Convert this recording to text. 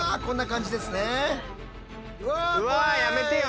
うわやめてよ